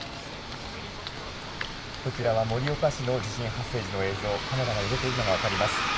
こちらは盛岡市の地震発生時の映像カメラが揺れているのが分かります。